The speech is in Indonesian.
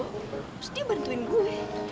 terus dia bantuin gue